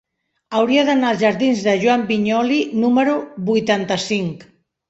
Hauria d'anar als jardins de Joan Vinyoli número vuitanta-cinc.